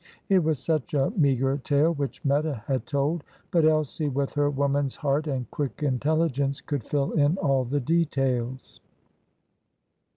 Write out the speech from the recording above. It was such a meagre tale which Meta had told. But Elsie, with her woman's heart and quick intelligence, could fill in all the details.